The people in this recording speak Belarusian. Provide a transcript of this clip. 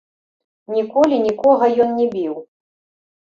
Ніколі нікога ён не біў.